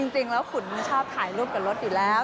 จริงแล้วขุนชอบถ่ายรูปกับรถอยู่แล้ว